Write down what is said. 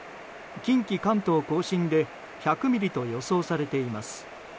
近畿・関東・甲信で１００ミリと予想されています。